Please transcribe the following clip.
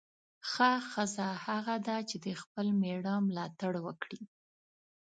ښه ښځه هغه ده چې د خپل میړه ملاتړ وکړي.